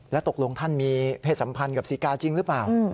แล้วตกลงท่านมีเพศสัมพันธ์กับศรีกาจริงหรือเปล่า